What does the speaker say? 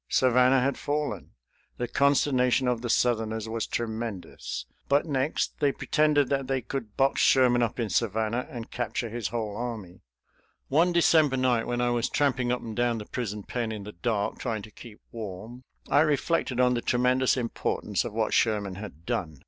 Savannah had fallen. The consternation of the Southerners was tremendous. But, next, they pretended that they could box Sherman up in Savannah and capture his whole army. One December night when I was tramping up and down the prison pen in the dark, trying to keep warm, I reflected on the tremendous importance of what Sherman had done.